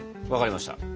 分かりました。